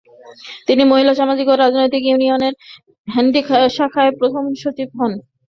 তিনি মহিলা সামাজিক ও রাজনৈতিক ইউনিয়নের ডান্ডি শাখার প্রথম সচিব হন।